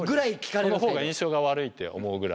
そのほうが印象が悪いって思うぐらい。